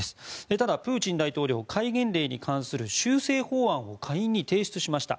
ただ、プーチン大統領戒厳令に関する修正法案を下院に提出しました。